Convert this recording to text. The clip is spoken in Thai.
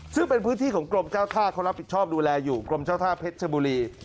ซึ่งเป็นพื้นที่ของกรมเจ้าท่าเขารับผิดชอบดูแลอยู่กรมเจ้าท่าเพชรชบุรี